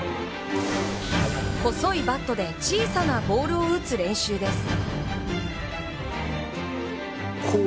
細いバットで小さなボールを打つ練習です。